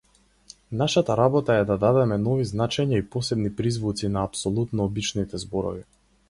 Нашата работа е да дадеме нови значења и посебни призвуци на апсолутно обичните зборови.